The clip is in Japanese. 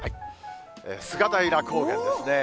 菅平高原ですね。